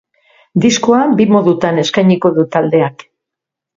Diskoa bi modutan eskainiko du taldeak.